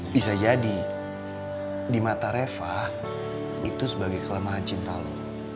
bisa jadi di mata reva itu sebagai kelemahan cinta lo